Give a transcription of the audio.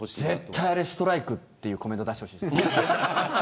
絶対あれストライクというコメントを出してほしい。